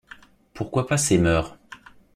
Pourquoi pas ces mœurs?